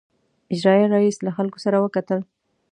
اجرائیه رییس له خلکو سره وکتل.